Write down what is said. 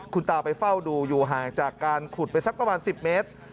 คุณตาไปเฝ้าดูอยู่ห่างจากการขุดไปสักประมาณ๑๐เมตร